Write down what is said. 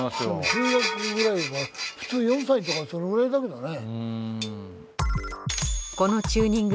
中学くらいから普通４歳とかそのくらいだけどね。